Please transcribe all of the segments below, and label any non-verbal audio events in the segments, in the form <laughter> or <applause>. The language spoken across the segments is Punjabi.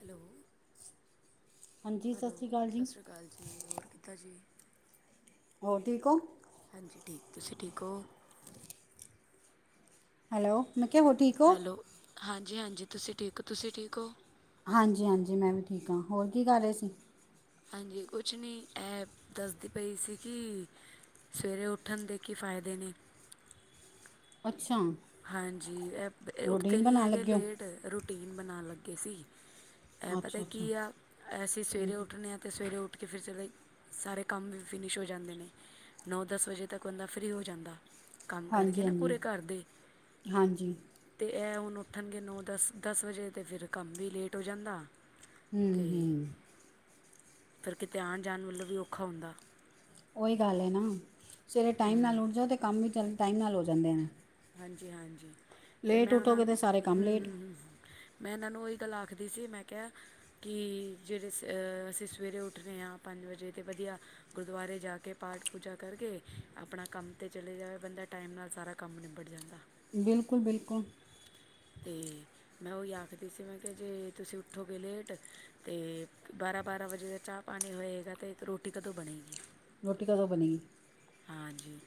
ਹੈਲੋ ਹਾਂਜੀ ਸਤਿ ਹੈਲੋ! ਸ਼੍ਰੀ ਅਕਾਲ ਸਤਿ ਜੀ ਸ਼੍ਰੀ ਅਕਾਲ ਜੀ। ਹੋਰ ਬਸ ਜੀ ਹੋਰ ਠੀਕ ਹੋ? ਹਾਂਜੀ, ਠੀਕ। ਤੁਸੀਂ ਠੀਕ ਹੋ? ਹੈਲੋ, ਮੈ ਕਿਹਾ, ਹੋਰ ਠੀਕ ਹੋ? ਜੀ ਹਾਂਜੀ, ਤੁਸੀਂ ਠੀਕ ਹੋ? ਤੁਸੀਂ ਠੀਕ ਹੋ? ਹਾਂਜੀ ਹਾਂਜੀ, ਮੈਂ ਵੀ ਠੀਕ ਹਾਂ। ਹੋਰ ਕੀ ਕਰ ਰਹੇ ਸੀ? ਹਾਂਜੀ, ਕੁਛ ਨਹੀਂ। ਇਹ ਦੱਸਦੀ ਪਈ ਸੀ ਕਿ ਸਵੇਰੇ ਉੱਠਣ ਦੇ ਕੀ ਫਾਇਦੇ ਨੇ? ਅੱਛਾ। ਹਾਂਜੀ, ਐ ਉੱਠਦੇ ਰੋਟੀਨ ਵੀ ਬਣਾਉਣ ਹੈਗੇ ਲੱਗੇ ਹੋ ਲੇਟ ਰੂਟੀਨ ਬਣਾਉਣ ਲੱਗੇ ਸੀ। ਇਹ ਅੱਛਾ ਪਤਾ ਅੱਛਾ ਕੀ ਆ, ਅਸੀਂ ਸਵੇਰੇ ਉੱਠਣੇ ਆ ਤੇ ਸਵੇਰੇ ਉੱਠ ਕੇ ਫਿਰ ਸਰੇ ਸਾਰੇ ਕੰਮ ਵੀ ਫਿਨਿਸ਼ ਹੋ ਜਾਂਦੇ ਨੇ। ਨੌ-ਦਸ ਵਜੇ ਤੱਕ ਬੰਦਾ ਫ੍ਰਰੀ ਹੋ ਜਾਂਦਾ। ਕੰਮ ਕਰਕੇ ਹਾਂਜੀ ਨਾ, ਹਾਂਜੀ ਪੂਰੇ ਘਰ ਦੇ। ਹਾਂਜੀ। ਅਤੇ ਇਹ ਹੁਣ ਉੱਠਣਗੇ ਨੌ-ਦਸ-ਦਸ ਵਜੇ, ਤਾਂ ਫਿਰ ਕੰਮ ਵੀ ਲੇਟ ਹੋ ਜਾਂਦਾ। ਅਤੇ ਹਮ-ਹਮ। ਫਿਰ ਕਿਤੇ ਆਣ-ਜਾਣ ਵਲੋਂ ਵੀ ਔਖਾ ਹੁੰਦਾ। ਉਹੀ ਗੱਲ ਹੈ ਨਾ, ਸਵੇਰੇ ਟਾਈਮ ਨਾਲ ਹੂੰ ਉੱਠ ਜਾਓ ਤੇ ਕੰਮ ਵੀ ਚ ਟਾਈਮ ਨਾਲ ਹੋ ਜਾਂਦੇ ਆ। ਹਾਂਜੀ, ਹਾਂਜੀ। ਤੇ ਮੈਂ ਉਹਨਾਂ ਉੱਠੋਗੇ ਤਾਂ ਸਾਰੇ ਕੰਮ ਲੇਟ ਹੁ-ਹੁ-ਹੁ ਮੈਂ ਇਹਨਾਂ ਨੂੰ ਉਹੀ ਗੱਲ ਆਖਦੀ ਸੀ। ਮੈਂ ਕਿਹਾ ਕਿ ਜਿਹੜੇ ਅ ਅਸੀਂ ਸਵੇਰੇ ਉੱਠਨੇ ਹਾਂ, ਪੰਜ ਵਜੇ ਤੇ ਵਧੀਆ, ਗੁਰਦੁਆਰੇ ਜਾ ਕੇ ਪਾਠ-ਪੂਜਾ ਕਰਕੇ ਆਪਣਾ ਕੰਮ ਤੇ ਚਲੇ ਜਾਵੇ ਬੰਦਾ। ਟਾਈਮ ਨਾਲ ਸਾਰਾ ਕੰਮ ਨਿਬੜ ਜਾਂਦਾ। ਬਿਲਕੁਲ-ਬਿਲਕੁਲ। ਤੇ ਮੈਂ ਉਹੀ ਆਖਦੀ ਸੀ। ਮੈਂ ਕਿਹਾ, ਜੇ ਤੁਸੀਂ ਉੱਠੋਗੇ ਲੇਟ, ਤੇ ਬ ਬਾਰਾਂ ਵਜੇ ਦਾ ਚਾਹ-ਪਾਣੀ ਹੋਏਗਾ, ਤੇ ਰੋਟੀ ਕਦੋਂ ਬਣੇਗੀ? ਰੋਟੀ ਕਦੋਂ ਬਨੇਗੀ? ਹਾਂਜੀ।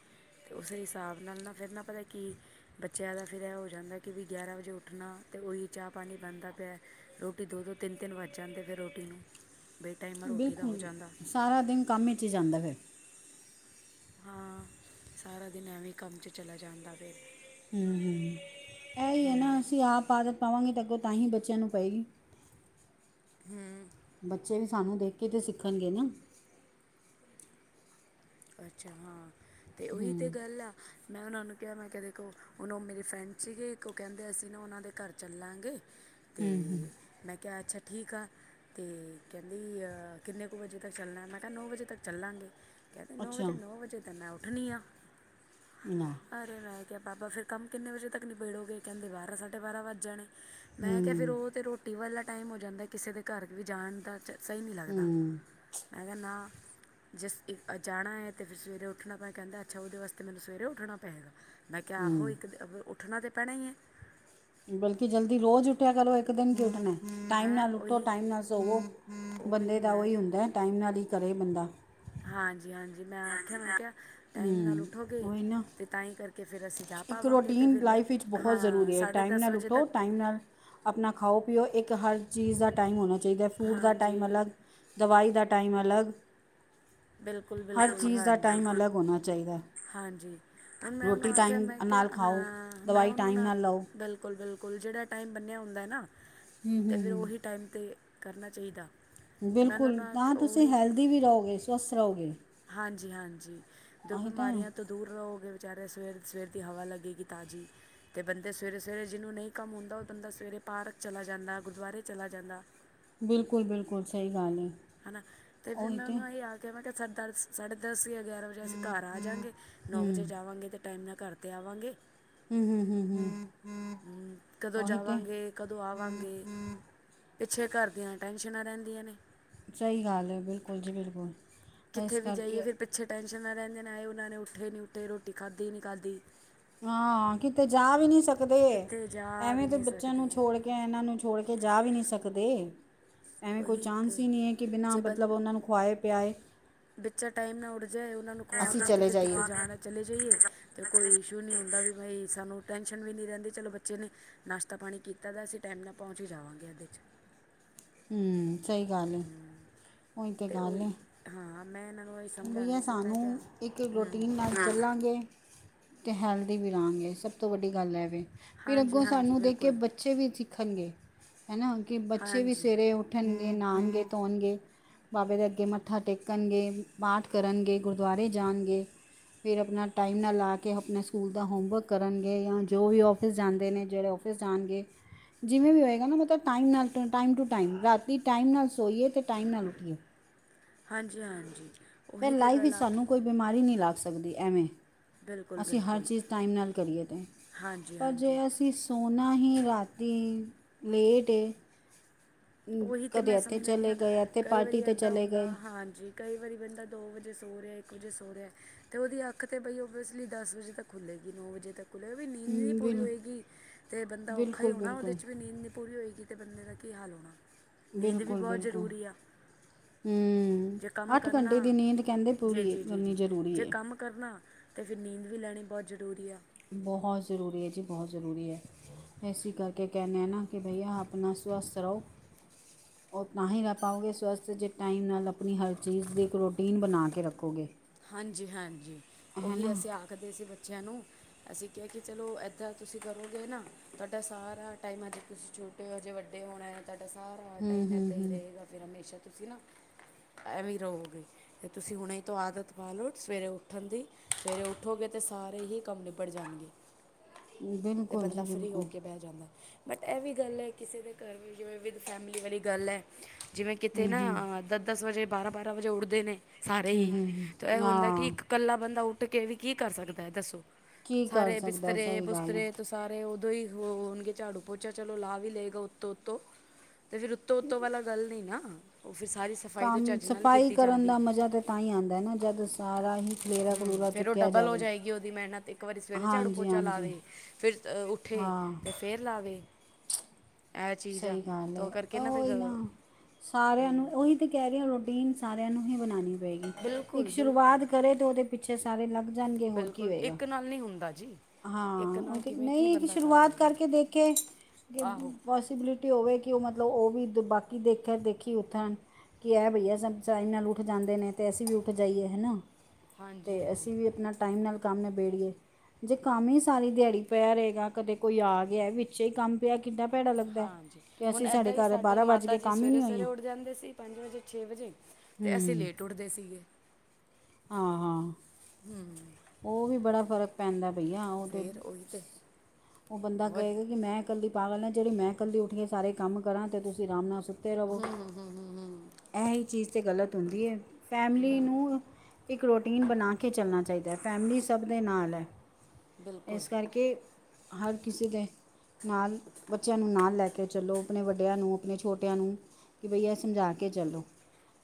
ਅਤੇ ਉਸੇ ਹਿਸਾਬ ਨਾਲ ਨਾ ਫਿਰ ਨਾ ਪਤਾ ਕਿ ਬੱਚਿਆਂ ਦਾ ਫਿਰ ਇਹ ਹੋ ਜਾਂਦਾ ਕਿ ਵੀ ਗਿਆਰਾਂ ਵਜੇ ਉੱਠਣਾ ਅਤੇ ਉਹੀ, ਚਾਹ ਪਾਣੀ ਬਣਾਦਾ ਪਿਆ ਰੋਟੀ ਦੋ-ਦੋ ਤਿੰਨ ਤਿੰਨ ਵੱਜ ਜਾਂਦੇ, ਫਿਰ ਰੋਟੀ ਨੂੰ ਬੇਟਾਈਮਾ ਰੋਟੀ ਦਾ ਹੋ ਬਿਲਕੁਲ, ਜਾਂਦਾ ਸਾਰਾ ਦਿਨ, ਕੰਮ ਵਿੱਚ ਹੀ ਜਾਂਦਾ ਫਿਰ ਹਾਂ ਸਾਰਾ ਦਿਨ, ਐਵੇਂ ਕੰਮ ਚ ਚਲਾ ਜਾਂਦਾ ਵੇ ਇਹਹੀ ਹੈ ਨਾ, ਅਸੀਂ ਆਪ ਆਦਤ ਆਦਤ, ਪਾਵਾਂਗੇ ਅਗੋਂ ਤਾਂ ਹੀ, ਬੱਚਿਆਂ ਨੂੰ ਪਏਗੀ <inaudible> <inaudible> ਬੱਚੇ ਵੀ, ਸਾਨੂੰ ਦੇਖ ਕੇ, ਤਾਂ ਸਿੱਖਣਗੇ ਨਾ ਅੱਛਾ, ਹਾਂ ਤੇ ਉਹੀ ਤੇ ਗੱਲ ਆ ਮੈਂ ਉਹਨਾਂ ਨੂੰ ਕਿਹਾ ਮੈਂ ਦੇਖੋ, ਕੋ ਹੁਣ ਉਹ ਮੇਰੇ ਫਰੈਂਡ ਸੀਗੇ, ਉ ਕਹਿੰਦੇ, ਅਸੀਂ ਨਾ ਉਹਨਾਂ ਦੇ ਘਰ ਚੱਲਾਂਗੇ ਤੇ ਮੈਂ ਕਿਹਾ, ਅੱਛਾ ਠੀਕ ਆ ਤੇ ਕਹਿੰਦੀ, ਕਿੰਨੇ ਕੁ ਵਜੇ ਤੱਕ ਚੱਲਣਾ ਏ, ਮੈਂ ਕਿਹਾ ਨੌਂ ਵਜੇ ਤੱਕ ਚੱਲਾਂਗੇ ਕਹਿੰਦੇ, ਨੌ ਅੱਛਾ ਵਜੇ-ਨੌ ਵਜੇ ਤਾਂ ਮੈਂ ਉੱਠਣੀ ਆ, ਲੈ ਅਰ ਕਿ ਪਾਪਾ, ਫਿਰ ਕੰਮ ਕਿੰਨੇ ਵਜੇ ਤੱਕ ਨਬੇੜੋ ਗੇ, ਕਹਿੰਦੇ, ਬਾਰਾਂ -ਸਾਢੇ -ਬਾਰਾਂ ਵੱਜ ਜਾਣੇ ਮੈਂ ਕਿਹਾ, ਫਿਰ ਹੂੰ ਉਹ ਤੇ ਰੋਟੀ ਵਾਲਾ ਟਾਈਮ ਹੋ ਜਾਂਦਾ, ਕਿਸੇ ਦੇ ਘਰ ਵੀ ਜਾਣ ਦਾ ਸਹੀ ਨਹੀਂ ਲੱਗਦਾ, ਹੂੰ ਮੈਂ ਕਹਾ ਨਾ ਜਿਸ ਜਾਣਾ ਹੈ ਤੇ, ਫਿਰ ਸਵੇਰੇ ਉੱਠਣਾ ਪਿਆ ਪੈਦਾ ਕਹਿਦਾ, ਅੱਛਾ ਉਹਦੇ ਵਾਸਤੇ ਮੈਨੂੰ ਸਵੇਰੇ ਉੱਠਣਾ ਪਏਗਾ ਮੈਂ ਕਿਹਾ ਆਹੋ ਹੂੰ ਇੱਕ ਉੱਠਣਾ ਤਾਂ ਪੈਣਾ ਹੀ ਹੈ ਬਲਕਿ ਜਲਦੀ ਰੋਜ਼ ਉੱਠਯਾਂ ਕਰੋ ਇੱਕ ਦਿਨ ਉੱਠਣ ਟਾਈਮ ਹੈਂ ਨਾਲ ਉੱਠੋ ਉਹੀ ਟਾਈਮ ਨਾਲ ਸੋਵੋ ਬੰਦੇ ਦਾ ਉਹੀ ਹੁੰਦਾ ਹੈ ਟਾਈਮ ਨਾਲ ਹੀ ਕਰੇ ਬੰਦਾ ਹਾਂਜੀ ਹਾਂਜੀ ਮੈਂ ਆਖਿਆ ਮੈਂ ਕਿਹਾ ਟਾਈਮ ਨਾਲ ਹੂੰ ਉੱਠੋਗੇ ਉਹੀ ਨਾ ਤੇ ਤਾਂਹੀ ਕਰ ਕਿ ਫਿਰ ਅਸੀਂ ਜਾ ਇੱਕ ਪਾਵਾਂਗੇ ਅਤੇ ਰੋਟੀਨ ਫਿਰ ਲਾਈਫ ਵਿੱਚ ਬਹੁਤ ਹਾਂ ਜ਼ਰੂਰੀ ਹੈ ਸਾਢੇ ਟਾਈਮ ਦਸ ਨਾਲ ਵਜੇ ਉੱਠੋ ਤੱਕ ਟਾਈਮ ਨਾਲ ਆਪਣਾ ਖਾਓ ਪੀਓ ਇੱਕ ਇੱਕ ਹਰ ਚੀਜ਼ ਦਾ ਟਾਈਮ ਹੋਣਾ ਚਾਹੀਦਾ ਫੂਡ ਦਾ ਟਾਈਮ ਹਾਂਜੀ ਅਲੱਗ ਦਵਾਈ ਦਾ ਟਾਈਮ ਅਲੱਗ ਬਿਲਕੁਲ ਹਰ ਬਿਲਕੁਲ ਚੀਜ਼ ਦਾ ਹਾਂਜੀ ਟਾਈਮ ਅਲੱਗ ਹੋਣਾ ਚਾਹੀਦਾ ਹਾਂਜੀ ਹੁਣ ਮੈਂ ਉਹਨੂੰ ਰੋਟੀ ਆਖਿਆ ਟਾਈਮ ਮੈਂ ਕਿਹਾ ਨਾਲ ਖਾਓ ਹਾਂ ਮੈਂ ਦਵਾਈ ਉਹਨੂੰ ਟਾਈਮ ਨਾ ਨਾਲ ਲਓ ਬਿਲਕੁਲ ਬਿਲਕੁਲ ਕੋਲ ਜਿੜਾ ਟਾਈਮ ਬੰਨਿਆ ਹੁੰਦਾ ਨਾ ਹੂੰ ਅਤੇ ਹੂੰ ਫਿਰ ਉਹੀ ਟਾਈਮ 'ਤੇ ਕਰਨਾ ਚਾਹੀਦਾ ਮੈਂ ਉਹਨਾਂ ਬਿਲਕੁਲ ਨਾਲ ਤਾਂ ਤੁਸੀਂ ਉਹੀ ਹੈਲਦੀੀ ਵੀ ਰਹੋਗੇ ਸਵਸਥ ਰਹੋਗੇ ਹਾਂਜੀ ਹਾਂਜੀ ਦੁੱਖ ਉਹੀ ਤਾਂ ਹੈ। ਬਿਮਾਰੀਆਂ ਤੋਂ ਦੂਰ ਰਹੋਗੇ ਵਿਚਾਰੇ ਸਵੇਰ ਸਵੇਰ ਦੀ ਹਵਾ ਲੱਗੇਗੀ ਤਾਜ਼ੀ ਤੇ ਬੰਦੇ ਸਵੇਰੇ ਸਵੇਰੇ ਜਿਹਨੂੰ ਨਹੀਂ ਕੰਮ ਹੁੰਦਾ ਉਹ ਬੰਦਾ ਸਵੇਰੇ ਪਾਰਕ ਚਲਾ ਜਾਂਦਾ ਗੁਰਦੁਆਰੇ ਚਲਾ ਜਾਂਦਾ ਬਿਲਕੁਲ ਬਿਲਕੁਲ ਸਹੀ ਗੱਲ ਹੈ ਹਨਾ ਤੇ ਫੇਿਰ ਮੈਂ ਉਹਨੂੰ ਅਸੀ ਆ ਕੇ ਮ ਕਿਹਾ ਸਾੇ ਦਸ ਸਾਢੇ ਦਸ ਗਿਆਰਾਂ ਵਜੇ ਅਸੀਂ ਘਰ ਆ ਜਾਾਂਗੇ ਨੌ ਵਜੇ ਹੂੰ ਜਾਵਾਂਗੇ ਤੇ ਟਾਈਮ ਨਾਲ ਘਰ ਤੇ ਆਵਾਂਗੇ ਹਮ ਹਮ ਹਮ ਹਮ ਹਮ ਕਦੋਂ ਜਾਵਾਂਗੇ ਕਦੋਂ ਆਵਾਂਗੇ ਪਿੱਛੇ ਘਰ ਦੀਆਂ ਟੈ ਸ਼ਨਾ ਰਹਿੰਦੀਆਂ ਨੇ ਸਹੀ ਗੱਲ ਹੈ ਬਿਲਕੁਲ ਜੀ ਬਿਲਕੁਲ ਇਸ ਕਿੱਥੇ ਵੀ ਜਾਈਏ ਕਰਕੇ ਫਿਰ ਪਿੱਛੇ ਟੈਂਸ਼ਨ ਨਾ ਰਹਿੰਦੇ ਨੇ ਆਏ ਉਹ ਨੇ ਉੱਠੇ ਨੀ ਉੱਠੇ ਰੋਟੀ ਖਾਧੀ ਨੀ ਖਾਧੀ ਹਾਂ ਕਿਤੇ ਜਾ ਵੀ ਨਹੀਂੀ ਸਕਦੇ ਕਿੱਥੇ ਜਾ ਐਵੇਂ ਵੀ ਤੇ ਨਹੀਂ ਬੱਚਿਆਂ ਸਕਦੇ ਨੂੰ ਛੋੜ ਕੇ ਇਹਨਾਂ ਨੂੰ ਛੋੜ ਕੇ ਕੇ ਜਾ ਵੀ ਨਹੀਂ ਸਕਦੇ ਐਵੇਂ ਕੋਈ ਉਹੀ ਚਾਂਸ ਤੇ ਹੀ ਨਹੀਂ ਹੈ ਕਿ ਬਿਨਾਂ ਜੇ ਬੰ ਮਤਲਬ ਉਹਨਾਂ ਨੂੰ ਖਆਏ ਪਿਆਏ ਬੱਚਾ ਟਾਈਮ ਨਾ ਉੱਡ ਜਾਏ ਉਹਨਾਂ ਨੂੰ ਖਵਾ ਅਸੀਂ ਪਿਆ ਕੇ ਚਲੇ ਫਿਰ ਜਾਈਏ ਕਿਤੇ ਜਾਣਾ ਚਲੇ ਜਾਈਏ ਤੇ ਕੋਈ ਇਸ਼ੂ ਨਹੀਂ ਹੁੰਦਾ ਾਬਾਈ ਸਾਨੂੰ ਟੈਂਸ਼ਨ ਵੀ ਨਹੀਂ ਰਹਿੰਦੀ ਚਲੋ ਬੱਚੇ ਨੇ ਨਾਸ਼ਤਾ ਪਾਣੀ ਕੀਤਾ ਤਾਂ ਅਸੀਂ ਟਾਈਮ ਨਾਲ ਪਹੁੰਚ ਹੀ ਜਾਵਾਂਗੇ ਅਦੇ ' <unintelligible> ਹੂ, ਸਹੀ ਗੱਲ ਹੈ। ਤੇ ਉਹੀ ਹਾਂ। ਮੈਂ ਇਹਨਾਂ ਨੂੰ ਇਹੀ ਬਈਆ ਸਮਝਾਉਂਦੀ ਸੀ ਮੈਂ ਕਿਹਾ ਸਾਨੂੰ ਇੱਕ ਹੂੰ ਰੋਟੀਨ ਨਾਲ ਖੱਲਾਂਗੇ ਤੇ ਹੈਲਦੀ ਵੀ ਰਿਹਾ ਗੇ, ਸਭ ਤੋਂ ਵੱਡੀ ਗੱਲ ਹੈ ਵੀ ਫਿਰ ਹਾਂਜੀ ਅੱਗੋਂ ਹਾਂਜੀ ਸਾਨੂੰ ਦੇਖ ਕੇ ਬਿਲਕੁਲ ਬੱਚੇ ਵੀ ਖਣਗੇ ਹੈ ਨਾ, ਕਿ ਬੱਚੇ ਵੀ ਹਾਂਜੀ ਸਵੇਰੇ ਉੱਠਣ ਨਹਾਉਣਗੇ ਧੋਣਗੇ ਬਾਬੇ ਦੇ ਅੱਗੇ ਮੱਥਾ ਟੇਕਣਗੇ ਪਾਠ ਕਰਨਗੇ, ਗੁਰਦੁਆਰੇ ਜਾਣਗੇ। ਫਿਰ ਆਪਣਾ ਟਾਈਮ ਨਾਲ ਲਾ ਕੇ ਆਪਣੇ ਸਕੂਲ ਦਾ ਹੋਮਵਰਕ ਕਰਨਗੇ, ਜਾਂ ਜੋ ਵੀ ਔਫਿਸ ਜਾਂਦੇ ਨੇ ਜਿਹੜੇ ਫ ਹੋਣਗੇ ਜਿਵੇਂ ਵੀ ਹੋਏਗਾ ਨਾ ਮਤਲਬ ਟਾਈਮ ਨਾਲ ਟ ਟਾਈਮ ਟੂ ਟਾਈਮ ਰਾਤੀ ਟਾਈਮ ਨਾਲ ਸੋਈਏ ਅਤੇ ਟਾਈਮ ਨਾਲ ਉੱਠੀਏ ਹਾਂਜੀ ਹਾਂਜੀ। ਫਿਰ ਉਹੀ ਤਾਂ ਲਾਈਫ ਗੱਲ ਵਿੱਚ ਸਾਨੂੰ ਆਖੀ ਹੈ। ਕੋਈ ਬਿਮਾਰੀ ਨਹੀਂ ਲੱਗ ਸਕਦੀ ਐਵੇਂ- ਬਿਲਕੁਲ ਅਸੀਂ ਹਰ ਬਿਲਕੁਲ ਚੀਜ਼ ਟਾਈਮ ਨਾਲ ਕਰੀਏ ਤੇ ਹਾਂਜੀ ਪਰ ਜੇ ਹਾਂਜੀ ਅਸੀਂ ਸੋਨਾ ਹੀ ਰਾਤੀ ਲੇਟ ਏ ਅਮ, ਉਹੀ ਤੇ ਮੈਂ ਕਦੇ ਇੱਥੇ ਸਮਝ ਆਦੀ ਚਲੇ ਹਾਂ ਗਏ ਇੱਥੇ ਕਈ ਪਾਰਟੀ ਵਾਰੀ 'ਤੇ ਏਦਾਂ ਚਲੇ ਹੁੰਦਾ ਗਏ ਹਾਂਜੀ। ਕਈ ਵਾਰੀ ਬੰਦਾ ਦੋ ਵਜੇ ਸੋ ਰਿਹਾ ਇੱਕ ਵਜੇ ਸੋ ਰਿਹਾ ਅਤੇ ਉਹਦੀ ਅੱਖ ਤਾਂ ਬਈ ਓਬੇਸਲੀ ਦਸ ਵਜੇ ਤੱਕ ਖੁੱਲੇਗੀ ਨੌ ਵਜੇ ਤੱਕ ਹਲਲੇ ਵੀ ਨੀਂਦ ਨਹੀਂ ਅਮ, ਪੂਰੀ ਬਿਲ ਹੋਵੇਗੀ ਅਤੇ ਬੰਦਾ ਔਖਾ ਹੀ ਬਿਲਕੁਲ ਹੋਣਾ ਉਹਦੇ ਬਿਲਕੁਲ ਚ ਵੀ ਨੀਂਦ ਨ ਨਹੀਂ ਪੂਰੀ ਹੋਏਗੀ। ਅਤੇ ਬੰਦੇ ਦਾ ਕੀ ਹਾਲ ਹੋਣਾ ਨੀਂਦ ਵੀ ਬਿਲਕੁਲ ਬਹੁਤ ਬਿਲਕੁਲ ਜ਼ਰੂਰੀ ਆ। ਹੂੰ ਜੇ ਕੰਮ ਕਰਨਾ। ਘੰਟੇ ਦੀ ਨੀਂਦ ਕਹਿੰਦੇ ਜੀ ਪੂਰੀ ਜੀ ਜੀ ਕਰਨੀ ਜੀ ਜ਼ਰੂਰੀ ਜੇ ਹੈ ਕੰਮ ਕਰਨਾ ਅਤੇ ਫਿਰ ਨੀਂਦ ਵੀ ਲੈਣੀ ਬਹੁਤ ਜ਼ਰੂਰੀ ਆ। ਬਹੁਤ ਜ਼ਰੂਰੀ ਹੈ। ਜੀ, ਬਹੁਤ ਜ਼ਰੂਰੀ ਹੈ। ਇਸਸੀ ਕਰਕੇ ਕਹਿਨ ਨਾ ਕਿ ਭਈਆ ਆਪਣਾ ਸਵਸਥ ਰਹੋ ਮਾਹੀ ਦਾ ਪਾਉਗੇ ਸਵਸ ਜੇ ਟਾਈਮ ਨਾਲ ਆਪਣੀ ਹਰ ਚੀਜ਼ ਦੀ ਪ੍ਰੋਟੀਨ ਬਣਾ ਕੇ ਰੱਖੋਗੇ। ਹਾਂਜੀ ਹਾਂਜੀ ਹੈ ਨਾ ਉਹੀ ਅਸੀਂ ਆਖਦੇ ਸੀ ਬੱਚਿਆਂ ਨੂੰ ਅਸੀਂ ਕਹਿ ਕੇ ਚਲੋ ਇਦਾਂ ਤੁਸੀਂ ਕਰੂਗੇ ਨਾ ਤੁਹਾਡਾ ਸਾਰਾ ਟਾਈਮ ਅੱਜ ਤੁਸੀਂ ਛੋਟੇ ਹੋ ਜੇ ਵੱਡੇ ਹੋਣਾ ਤੁਹਾਡਾ ਸਾਰਾ ਹੂੰ ਹੂੰ ਇਦਾਂ ਹੀ ਹੂੰ ਰਹੇਗਾ ਤੇਰਾ ਹਮੇਸ਼ਾ ਤੁਸੀਂ ਆਵੇ ਰਹੋਗੇ, ਤੁਸੀਂ ਹੁਣੇ ਤੋਂ ਆਦਤ ਸਾਰੇ ਹੀ ਕੰਮ ਨਿਬੜ ਜਾਣਗੇ। ਬਿਲਕੁਲ ਜੀ ਬੰਦਾ ਸ਼ੁਰੂ ਹੋ ਬਿਲਕੁਲ ਕੇ ਬਹਿ ਜਾਂਦਾ। ਬਟ ਇਹ ਵੀ ਗੱਲ ਹ ਕਿਸੇ ਦੇ ਘਰ ਵੀ ਜਿਵੇਂ ਵਿਦ ਫੈਮਲੀ ਮੇਰੀ ਗੱਲ ਹ ਜਿਵੇਂ ਕਿਤੇ ਨਾ ਤ ਦਸ ਵਜੇ ਬਰਾ ਵਜੇ ਉੱਠਦੇ ਨੇ ਸਾਰੇ ਹੂ ਹੀ ਹੂ ਹੂ ਤਾਂ ਇਹ ਹੁੰਦਾ ਕਿ ਇੱਕ ਕੱਲਾ ਬੰਦਾ ਉੱਡ ਕੇ ਵੀ ਕੀ ਕਰ ਸਕਦਾ ਦੱਸੋ? ਕੀ ਕਰ ਸਾਰੇ ਸਕਦਾ ਹੈ, ਬਿਸਤਰੇ ਸਹੀ ਗੱਲ ਹੈ ਬੁਸਤਰੇ ਤੇ ਸਾਰੇ ਤੋ ਉਨਕੇ ਝਾੜੂ ਪੋਚਾ ਚਲੋ ਲਾ ਵੀ ਲਏਗਾ ਉੱਤੋਂ ਉੱਤੋਂ ਤੇ ਫਿਰ ਉੱਤੋਂ ਉੱਤੋਂ ਪਹਿਲਾਂ ਗੱਲ ਨਹੀਂ ਨਾ। ਉਹ ਫਿਰ ਸਾਰੀ ਸਫਾਈ ਤੋਂ ਕਮ ਚੱਜ ਨਾਲ ਸਫਾਈ ਕੀਤੀ ਕਰਨ ਜਾਂਦੀ ਦਾ ਮਜਾ ਤੇ ਤਾਂ ਹੀ ਆਉਂਦਾ ਨਾ ਜਦ ਸਾਰਾ ਹੀ ਖਲੇਰਾ ਖਲੂਰਾ ਫਿਰ ਉਹ ਚੁੱਕਿਆ ਡਬਲ ਹੋ ਜਾਵੇ ਜਾਏਗੀ ਉਹਦੀ ਮਿਹਨਤ ਇੱਕ ਵਾਰੀ ਸਵੇਰੇ ਝਾੜੂ ਹਾਂਜੀ ਪੋਚਾ ਲਾ ਹਾਂਜੀ ਦੇ ਫਿਰ ਲਾ ਦੇ ਹਾਂ ਤੇ ਫਿਰ ਲਾਵੇ ਇਹ ਚੀਜ਼ ਆ ਸਹੀ ਗੱਲ ਤਾਂ ਕਰਕੇ ਫਿਰ ਹ ਨਾ ਸਾਰਿਆਂ ਨੂੰ ਉਹੀ ਤੇ ਕਹਿ ਰਹੇ ਤੇ ਸਾਰਿਆਂ ਨੂੰ ਹੀ ਬਣਾਣੀ ਪਏਗੀ ਇੱਕ ਬਿਲਕੁਲ ਬਿਲਕੁਲ ਸ਼ੁਰੂਆਤ ਕਰੇ ਤੇ ਉਹਦੇ ਪਿੱਛੇ ਸਾਰੇ ਲੱਗ ਰਨ ਗਏ ਹੋਰ ਕੀ ਬਿਲਕੁਲ ਹੋਏਗਾ। ਇੱਕ ਨਾਲ ਨਹੀਂ ਹੁੰਦਾ ਜੀ ਇੱਕ ਹਾਂ। ਉਹ ਨਾਲ ਤੇ ਕਿਵੇਂ ਕੀ ਨਹੀਂ ਬੰਦਾ ਕਰ ਸ਼ੁਰੂਆਤ ਲਏਗਾ ਕਰਕੇ ਦੇਖੇ ਇਹ ਆਹੋ ਪੋਸੀਬਿਲਿਟੀ ਹੋਵੇ ਕਿ ਉਹ ਮਤਲਬ ਉਹ ਵੀ ਬਾਕੀ ਦੇਖਿਆ ਦੇਖੀ ਕਿ ਬਈ ਨਾਲ ਉੱਠ ਜਾਂਦੇ ਨੇ ਤੇ ਅਸੀਂ ਵੀ ਉਠ ਜਾਈਏ ਹੈਨਾ। ਹਾਂਜੀ ਤੇ ਹਾਂਜੀ ਅਸੀਂ ਵੀ ਆਪਣਾ ਟਾਈਮ ਨਾਲ ਕੰਮ ਨਿ- ਜੇ ਕੰਮ ਹੀ ਸਾਰੀ ਦਿਹਾੜੀ ਪਿਆ ਰਹੇਗਾ ਕਦੇ ਕੋਈ ਆ ਗਿਆ ਵਿੱਚੇ ਕੰਮ ਪਿਆ ਕਿੱਡਾ ਭੈੜਾ ਲੱਗਦਾ ਹੈ ਹਾਂ। ਜੀ ਕਿ ਹੁਣ ਅਸੀਂ ਇਦਾਂ ਹੀ ਘਰ ਸਾਡੇ ਬਾਰਾਂ ਵੱਜ ਮਾਤਾ ਕੇ ਜੀ ਕੰਮ ਹੀ ਸਵੇਰੇ ਨਹੀਂ ਸਵੇਰੇ ਹੋਈਆਂ ਉੱਠ ਜਾਂਦੇ ਸੀ ਪੰਜਵੇਂ ਚੋਂ ਛੇ ਵਜੇ ਤੇ ਅਸੀਂ ਹੂੰ ਲੇਟ ਉੱਠਦੇ ਸੀਗੇ। ਹਾਂ ਹਾਂ। ਔ ਵੀ ਬੜਾ ਫਰਕ ਪੈਂਦਾ ਭਇਆ ਔ ਤੇ ਫੇਰ ਉਹੀ ਤੇ ਔ ਬੰਦਾ ਬਹੁਤ ਕਹੇਗਾ ਕਿ ਮੈਂ ਕੱਲੀ ਪਾਗਲ ਆਂ ਜਿਹੜੀ ਮੈਂ ਕੱਲੀ ਊਠ ਕੇ ਸਾਰੇ ਕੰਮ ਕਰਾਂ ਤੇ ਆਰਾਮ ਨਲ ਸੁ ਹੁੰ ਹੁੰ ਹੁੰ ਹੁੰ। ਇਹ ਹੀ ਚੀਜ਼ ਤੇ ਗਲਤ ਹੁੰਦੀ ਏ। ਫੈਮਲੀ ਨੂੰ ਇੱਕ ਰੋਟੀਨ ਬਣਾ ਕੇ ਚਲਣਾ ਚਾਹੀਦ ਫੈਮਲੀ ਸਭ ਦੇ ਨਾਲ ਏ। ਬਿਲਕੁਲ ਇਸ ਕਰਕੇ ਹਰ ਕਿਸੇ ਦੇ ਨਾਲ ਬੱਚਿਆਂ ਨੂੰ ਨਾਲ ਲੈ ਕੇ ਚੱਲੋ, ਆਪਣੇ ਵੱਡਿਆਂ ਨੂੰ, ਆਪਣੇ ਛੋਟਿਆਂ ਨੂੰ। ਕੀ ਬਈ ਏ ਸਮਝਾ ਕੇ ਚਲੋ।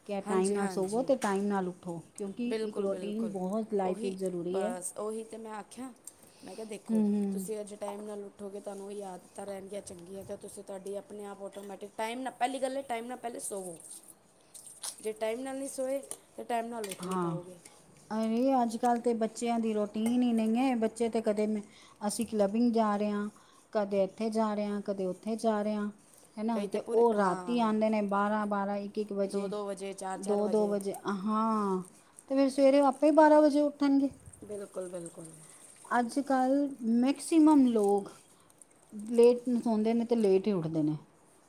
ਕਿ ਟਾਈਮ ਹਾਂਜੀ ਨਾਲ ਸੋਵੋਂ ਹਾਂਜੀ ਤੇ ਟਾਈਮ ਨਾਲ ਉਠੋ। ਕਿਉਂਕਿ ਇੱਕ ਬਿਲਕੁਲ ਰੋਟੀਨ ਬਿਲਕੁਲ ਬਹੁਤ ਲਾਈ ਉਹੀ ਬਸ ਔਹੀ ਤੇ ਮੈਂ ਆਖਿਆ ਮੈਂ ਕਿਹਾ ਦੇਖੋ ਹੂੰ ਹੂੰ ਤੁਸੀਂ ਅੱਜ ਟਾਈਮ ਨਲ ਉਠੋਗੇ ਤਾਂ ਓਹੀ ਆਦਤਾਂ ਰੈਣ ਗਿਆ ਚੰਗੀਆਂ ਯਾ ਤੁਸੀਂ ਤੁਹਾਡੀ ਆਪਣੇ ਆਪ ਆਟੋਮੈਟਿਕ ਟਾਈਮ ਨਾ ਪਹਿਲੀ ਗੱਲ ਟਾਈਮ ਨਾਲ ਪਹਿਲਾ ਸੋਵੋਂ। ਜੇ ਟਾਈਮ ਨਾਲ ਨਹੀਂ ਸੋਏ ਤੇ ਟਾਈਮ ਨਾਲ ਉੱਠ ਨਹੀਂ ਹਾਂ ਪਾਓਗੇ ਅਰੇ ਅੱਜ ਕੱਲ ਤੇ ਬੱਚਿਆਂ ਦੀ ਰੋਟੀਨ ਹੀ ਨਹੀਂ ਹ ਬੱਚੇ ਤੇ ਕਦੇ ਅਸੀਂ ਕਲੈਪਿੰਗ ਜਾ ਰਹੇ ਆਂ। ਕਦੇ ਇੱਥੇ ਜਾ ਰਿਹਾ। ਕਦੇ ਉੱਥੇ ਜਾ ਰਿਹਾ। ਹੇਨਾ ਕਈ ਤੇ ਪੂਰੀ ਔ ਹਾਂ ਰਾਤੀ ਆਂਦੇ ਨੇ ਬਾਰਾ-ਬਾਰਾ ਇੱਕ-ਇੱਕ ਵਜੇ। ਦੋ-ਦੋ ਵਜੇ ਆਹਾ ਤੇ ਫੇਰ ਸਵੇਰੇ ਆਪੇ ਬਾਰਾ ਵਜੇ ਉਠਣਗੇ। ਬਿਲਕੁਲ-ਬਿਲਕੁਲ। ਅੱਜ ਕੱਲ ਮੈਕਸੀਮਮ ਲੋਗ ਲੇਟ ਨੂੰ ਸੋਂਦੇ ਨੇ ਤੇ ਲੇਟ ਹੀ ਉੱਠਦੇ ਨੇ।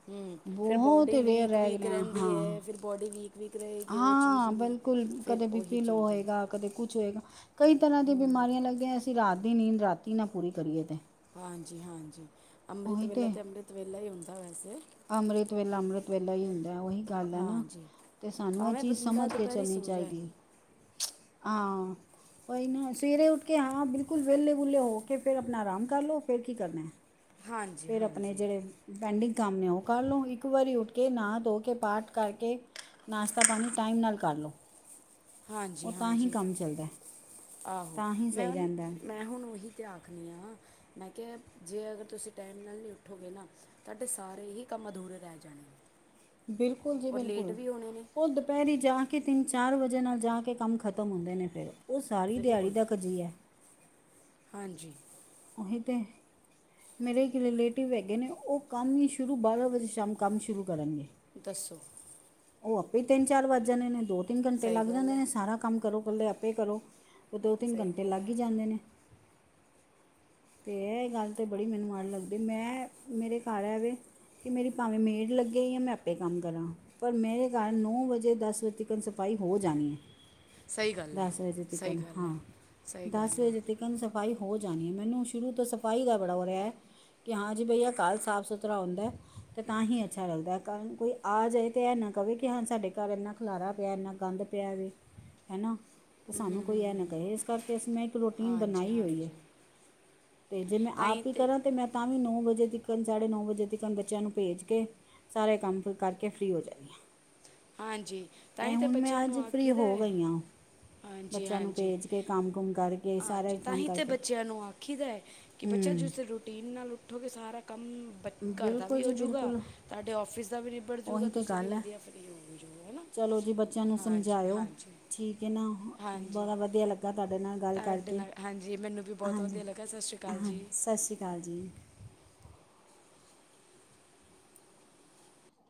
ਹੁੰ ਫੇਰ ਬਹੁਤ ਬੋਡੀ ਰੇਅਰ ਰਹਿ ਗਏ ਵੀਕ-ਵੀਕ ਨੇ। ਰੇਂਦੀ ਹਾਂ ਏ ਫੇਰ ਬੋਡੀ ਵੀਕ-ਵੀਕ ਹਾਂ, ਬਿਲਕੁਲ ਕਦੇ ਬੀ ਉਹੀ ਪੀ ਲੋ ਚੀਜ਼ ਹੈ ਹੋਏਗਾ, ਕਦੇ ਕੁਛ ਹੋਏਗਾ। ਕਈ ਤਰ੍ਹਾਂ ਦੀਆਂ ਬਿਮਾਰੀਆਂ ਲੱਗਦੇ ਅਸੀਂ ਰਾਤ ਦੀ ਨੀਂਦ ਰਾਤੀ ਨਾ ਪੂਰੀ ਕਰੀਏ ਤੇ ਹਾਂਜੀ ਹਾਂਜੀ, ਅੰਮ੍ਰਿਤ ਉਹੀ ਵੇਲਾ ਤੇ ਤਾਂ ਅੰਮ੍ਰਿਤ ਵੇਲਾ ਹੀ ਏ ਹੁੰਦਾ ਵੈਸੇ। ਅੰਮ੍ਰਿਤ ਵੇਲਾ ਅੰਮ੍ਰਿਤ ਵੇਲਾ ਹੀ ਹੁੰਦਾ ਔਹੀ ਗੱਲ ਏ ਨਾ। ਹਾਂਜੀ ਤੇ ਸਾਨੂੰ ਇਹ ਭਾਵੇਂ ਚੀਜ਼ ਬੰਦਾ ਸਮਝ ਕੇ ਦੁਪਹਿਰੀ ਚੱਲਣੀ ਸੋ ਜਾਏ ਚਾਹੀਦੀ। ਆਂ। ਕੋਈ ਨਾ ਸਵੇਰੇ ਉੱਠ ਕੇ ਹਾਂ ਬਿਲਕੁਲ ਵੇਲੇ ਵੁਲੇ ਹੋ ਕੇ ਫੇਰ ਆਪਣਾ ਆਰਾਮ ਕਰ ਲੋ। ਫੇਰ ਕੀ ਕਰਨਾ? ਹਾਂਜੀ ਫੇਰ ਅਪਣੇ ਹਾਂਜੀ ਜੇੜੇ ਪੈਂਡਿੰਗ ਕਾਮਨੇ ਔ ਕਰ ਲੋ। ਇੱਕ ਵਾਰੀ ਉੱਠ ਕੇ ਨਾ ਧੋ ਕੇ ਪਾਠ ਕਰਕੇ ਨਾਸ਼ਤਾ ਪਾਣੀ ਟਾਈਮ ਨਾਲ ਕਰ ਲੋ। ਹਾਂਜੀ ਹਾਂਜੀ ਆਹੋ ਤਾਂ ਹੀ ਮੈਂ ਸਹੀ ਹੁਨ ਰਹਿੰਦਾ ਹੈ। ਮੈਂ ਹੁਣ ਔਹੀ ਤਿਆਗ <unintelligible> ਮੈਂ ਕਿਹਾ ਜੇ ਅਗਰ ਤੁਸੀਂ ਟਾਈਮ ਨਾਲ ਨਹੀਂ ਉੱਠੋਗੇ ਨਾ ਤੁਹਾਡੇ ਸਾਰੇ ਹੀ ਕੰਮ ਅਧੂ ਦੂਰੇ ਰੇ ਜਾਨੇ ਨੇ। ਬਿਲਕੁਲ ਜੀ ਔਰ ਲੇਟ ਬਿਲਕੁਲ। ਵੀ ਹੋਣੇ ਨੇ ਔ ਦੁਪਹੈਰੀ ਜਾ ਕਿ ਤਿੰਨ ਚਾਰ ਵਜੇ ਨਾਲ ਜਾ ਕੇ ਕੰਮ ਖ਼ਤਮ ਹੁੰਦੇ ਨੇ ਫੇਰ ਔ ਸਾਰੀ ਦਿਹਾੜੀ ਬਿਲਕੁਲ ਦਾ ਕਾਜੀਆ ਹਾਂਜੀ। ਔਹੀ ਤੇ ਮੇਰੇ ਇੱਕ ਰਿਲੇਟਿਵ ਹੈਗੇ ਨੇ ਔ ਕੰਮ ਹੀ ਸ਼ੁਰੂ ਬਾਰਾਂ ਵਜੇ ਸ਼ਾਮ ਕੰਮ ਸ਼ੁਰੂ ਕਰਨਗੇ। ਦੱਸੋ ਔ ਆਪੇ ਤਿੰਨ ਚਾਰ ਵੱਜ ਜਾਂਨੇ ਨੇ। ਦੋ-ਤਿੰਨ ਘੰਟੇ ਸਹੀ ਲੱਗ ਗੱਲ ਜਾਂਨੇ ਹੈ ਨੇ ਸਾਰਾ ਕੰਮ ਕਰੋ ਕੱਲੇ ਆਪੇ ਕਰੋ। ਦੋ-ਤਿੰਨ ਸਹੀ ਘੰਟੇ ਗੱਲ ਲੱਗ ਹੈ ਹੀ ਜਾਂਦੇ ਨੇ। ਤੇ ਇਹ ਗੱਲ ਤੇ ਬੜੀ ਮੈਨੂੰ ਮਾੜੀ ਲੱਗਦੀ। ਮੈਂ ਮੇਰੇ ਘਰ ਏ ਵੇ ਕਿ ਮੇਰੀ ਭਾਵੇਂ ਮੇਡ ਲੱਗੇ ਯਾਂ ਮੈਂ ਆਪੇ ਕੰਮ ਕਰਾਂ। ਪਰ ਮੇਰੇ ਘਰ ਨੌ ਵਜੇ ਦਸ ਵਜੇ ਤੱਕਨ ਸਫਾਈ ਹੋ ਜਾਣੀ ਏ। ਸਹੀ ਗੱਲ ਆ ਦੱਸ ਵਜੇ ਸਹੀ ਤਿਕਨ ਗੱਲ ਆ ਹਾਂ। ਸਹੀ ਦੱਸ ਗੱਲ ਆ ਵਜੇ ਤਿਕਨ ਸਫਾਈ ਹੋ ਜਾਣੀ ਏ ਮੈਨੂੰ ਸ਼ੁਰੂ ਤੋਂ ਸਫ਼ਾਈ ਦਾ ਬੜਾ ਔ ਰਿਹਾ। ਕਿ ਹਾਂ ਜੀ ਭਈਆ ਕੱਲ੍ਹ ਸਾਫ਼ ਸੁਥਰਾ ਹੁੰਦਾ ਤਾਂ ਹੀ ਅੱਛਾ ਲੱਗਦਾ ਕਾਲ ਕੋਈ ਆ ਜਾਏ ਤਾਂ ਹੈ ਨਾ ਕਵੇ ਕਿ ਹਾਂ ਸਾਡੇ ਘਰ ਇੰਨਾ ਖਲਾਰਾ ਪਿਆ ਇੰਨਾ ਗੰਦ ਪਿਆ ਵੀ ਹਨਾ ਅਤੇ ਸਾਨੂੰ ਕੋਈ ਇਹ ਨਾ ਕਹੇ ਇਸ ਕਰਕੇ ਅਸੀਂ ਮੈਂ ਇੱਕ ਰੋਟੀਨ ਹਾਂਜੀ ਬਣਾਈ ਹੋਈ ਹੈ ਹਾਂਜੀ ਤੇ ਜੇ ਮੈਂ ਆਪ ਹੀ ਕਰਾਂ ਤੇ ਮੈਂ ਤਾਂ ਵੀ ਨੂੰ ਨੌ ਵਜੇ ਤੀਕਨ ਸਾਢੇ ਨੌਂ ਵਜੇ ਤ ਤੀਕਨ ਬੱਚਿਆਂ ਨੂੰ ਭੇਜ ਕੇ ਸਾਰੇ ਕੰਮ ਫ ਕਰਕੇ ਫ੍ਰਰੀ ਹੋ ਜਾਂਦੀ ਹ ਹਾਂਜੀ ਤਾਂ ਇਹ ਹੀ ਤੇ ਹੁਣ ਮੈਂ ਬੱਚਿਆਂ ਅੱਜ ਨੂੰ ਫ੍ਰਰੀ ਆਖੀਦਾ ਹੋ ਹੈ। ਗਈ ਹਾਂ ਹਾਂਜੀ ਬੱਚਿਆਂ ਨੂੰ ਹਾਂਜੀ ਭੇਜ ਕੇ ਕੰਮ ਕੁਮ ਕਰਕੇ ਸਾਰਾ ਕੰਮ ਕਰਕੇ ਸਨੂੰ ਆਖੀਦਾ ਹੈ ਕਿ ਬੱਚਾ ਹੂੰ ਜਿਸ ਰੂਟੀਨ ਨਾਲ਼ ਉੱਠੋਗੇ ਸਾਰਾ ਕੰਮ ਬ ਘਰ ਦਾ ਬਿਲਕੁਲ ਵੀ ਜੀ ਹੋਜੂਗਾ ਬਿਲਕੁਲ ਤੁਹਾਡੇ ਔਫਿਸ ਦਾ ਵੀ ਨਿਬੜ ਜੂਗਾ ਉਹੀ ਤਾਂ ਤੁਸੀਂ ਵੀ ਗੱਲ ਹੈ ਵਧੀਆ ਫ ਹਨਾ ਚਲੋ ਜੀ ਬੱਚਿਆਂ ਨੂੰ ਸਮਝਾਇਓ ਠੀਕ ਹੈ ਨਾ ਹਾਂਜੀ ਬੜਾ ਵਧੀਆ ਲੱਗਾ ਤੁਹਾਡੇ ਨਾਲ ਗੱਲ ਤੁਹਾਡੇ ਕਰਕੇ ਨਾਲ ਹਾਂਜੀ ਮੈਨੂੰ ਵੀ ਬਹੁਤ ਵਧੀਆ ਹਾਂਜੀ ਲੱਗਾ ਸਤਿ ਸ਼੍ਰੀ ਅਕਾਲ ਹਾਂਾਂ ਜੀ ਸਤਿ ਸ਼੍ਰੀ ਅਕਾਲ ਜੀ